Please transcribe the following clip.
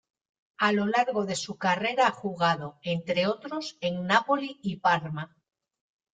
A lo largo de su carrera ha jugado, entre otros, en Napoli y Parma.